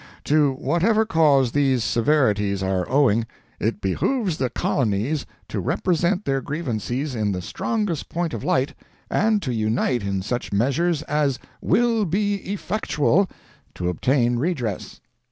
To whatever cause these severities are owing, it behooves the colonies to represent their grievances in the strongest point of light, and to unite in such measures as WILL BE EFFECTUAL to obtain redress."